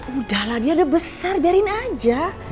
udah lah dia udah besar biarin aja